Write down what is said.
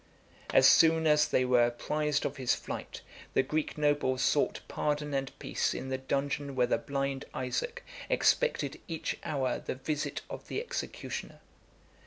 As soon as they were apprised of his flight, the Greek nobles sought pardon and peace in the dungeon where the blind Isaac expected each hour the visit of the executioner.